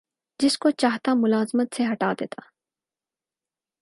جس کو چاہتا ملازمت سے ہٹا دیتا